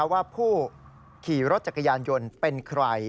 ว่าผู้ขี่รถจักรยานยนต์เป็นใคร